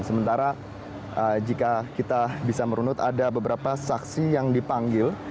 sementara jika kita bisa merunut ada beberapa saksi yang dipanggil